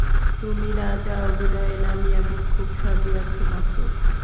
তুমি রাজা, অভিনয়ে নামিয়া ভিক্ষুক সাজিয়াছ মাত্র।